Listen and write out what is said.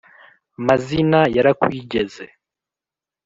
mazina yarakwigeze